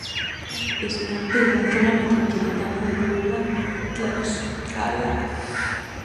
Es parte de la Zona Metropolitana de Puebla-Tlaxcala.